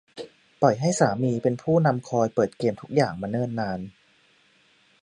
ปล่อยให้สามีเป็นผู้นำคอยเปิดเกมทุกอย่างมาเนิ่นนาน